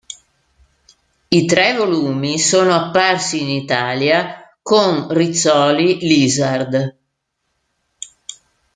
I tre volumi sono apparsi in Italia con Rizzoli Lizard.